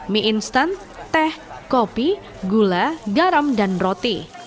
mie instan teh kopi gula garam dan roti